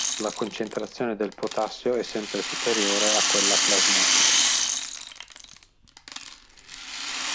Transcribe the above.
La concentrazione del potassio è sempre superiore a quella plasmatica.